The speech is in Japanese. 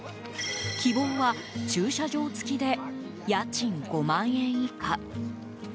希望は駐車場付きで家賃５万円以下。